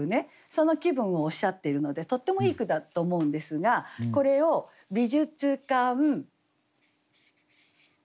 その気分をおっしゃっているのでとってもいい句だと思うんですがこれを「美術館までを」。